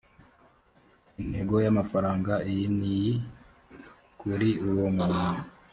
intego y’amafaranga iyi n’iyi kuri uwo muntu